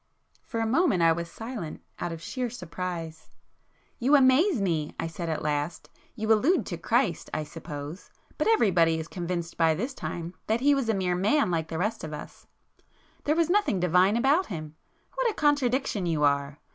For a moment I was silent, out of sheer surprise. "You amaze me!" I said at last—"You allude to Christ, I suppose; but everybody is convinced by this time that He was a mere man like the rest of us; there was nothing divine about Him. What a contradiction you are!